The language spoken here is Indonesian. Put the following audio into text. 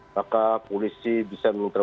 maka komisi bisa